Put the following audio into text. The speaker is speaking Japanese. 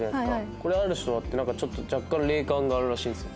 これある人は若干霊感があるらしいんですよ。